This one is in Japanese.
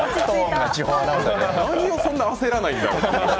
何をそんな焦らないんだろうと。